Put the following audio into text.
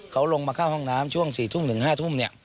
เขาลงมาเข้าห้องน้ำช่วง๔ทุ่มถึง๕ทุ่ม